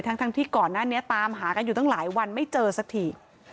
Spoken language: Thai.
ทั้งที่ก่อนหน้านี้ตามหากันอยู่ตั้งหลายวันไม่เจอสักที